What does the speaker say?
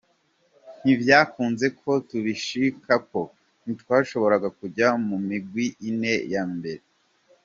Ntivyakunze ko tubishikako, ntitwashobora kuja mu migwi ine ya mbere.